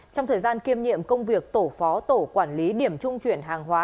trong thời gian kiêm nhiệm công việc tổ phó tổ quản lý điểm trung chuyển hàng hóa